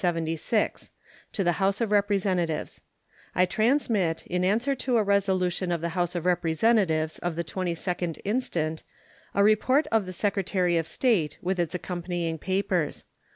To the House of Representatives: I transmit, in answer to a resolution of the House of Representatives of the 22d instant, a report of the Secretary of State, with its accompanying papers. U.S.